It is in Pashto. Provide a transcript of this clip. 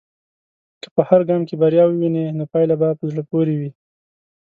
که په هر ګام کې بریا ووینې، نو پايله به په زړه پورې وي.